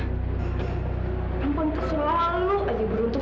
perempuan itu selalu aja beruntung